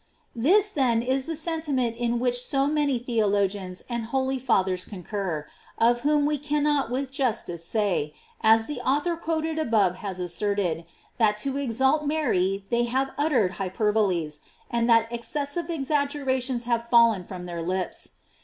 This then is the sentiment in which so many theologians and holy fathers concur, of whom we cannot with justice say, as the author quoted atfove has asserted, that to exalt Mary they have uttered hyperboles, and that excessive exaggera tions have fallen from their lips.